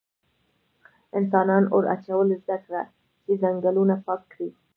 انسانان اور اچول زده کړل چې ځنګلونه پاک کړي.